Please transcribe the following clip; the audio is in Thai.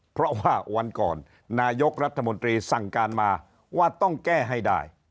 เพราะว่าวันก่อนนายกรัฐมนตรีสั่งการมาว่าต้องแก้ให้ได้